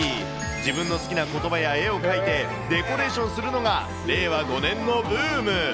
自分の好きなことばや絵を書いて、デコレーションするのが、令和５年のブーム。